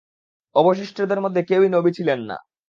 অবশিষ্টদের মধ্যে কেউই নবী ছিলেন না।